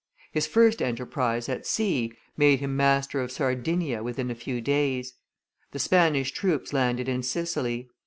His first enterprise, at sea, made him master of Sardinia within a few days; the Spanish troops landed in Sicily.